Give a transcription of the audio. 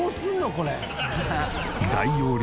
これ。